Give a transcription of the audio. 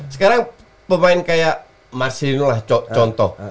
sekarang pemain kayak marcelino lah contoh